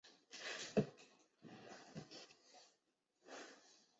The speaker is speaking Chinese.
之后再使用剃刀直接切除大小阴唇。